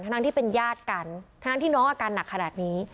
ทั้งที่เป็นญาติกันทั้งที่น้องอาการหนักขนาดนี้